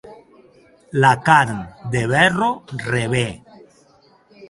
La carn de verro revé.